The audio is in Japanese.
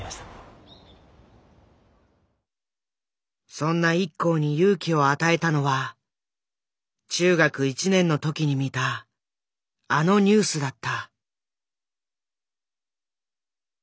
そんなＩＫＫＯに勇気を与えたのは中学１年の時に見たあのニュースだった。